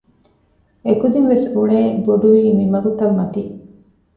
އެކުދިން ވެސް އުޅޭ ބޮޑުވީ މި މަގުތައް މަތީ